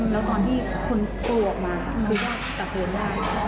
แล้วตอนที่คุณตัวออกมาคืออยากตัดโทษได้